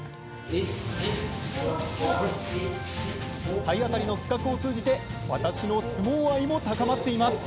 体当たりの企画を通じて、私の相撲愛も高まっています。